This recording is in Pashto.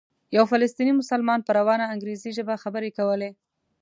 یو فلسطینی مسلمان په روانه انګریزي ژبه خبرې کولې.